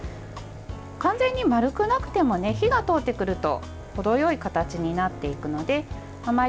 完全に丸くなっても火が通ってくると程よい形になっていくのであまり